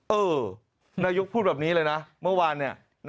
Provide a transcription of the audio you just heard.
เออนายกพูดแบบนี้เลยนะเมื่อวานเนี่ย